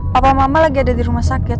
papa mama lagi ada di rumah sakit